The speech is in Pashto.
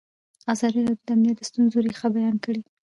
ازادي راډیو د امنیت د ستونزو رېښه بیان کړې.